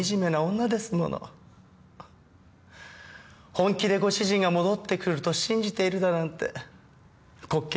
本気でご主人が戻ってくると信じているだなんて滑稽よねえ。